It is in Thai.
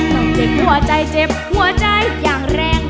ต้องเจ็บหัวใจเจ็บหัวใจยังแรง